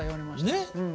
ねっ。